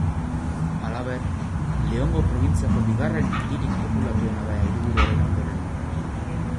Halaber, Leongo probintziako bigarren hiririk populatuena da hiriburuaren ondoren.